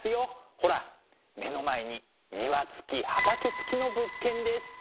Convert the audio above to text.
ほら目の前に庭付き畑付きの物件です！